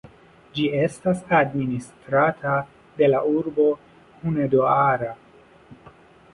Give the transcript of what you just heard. Ĝi estas administrata de la urbo Hunedoara.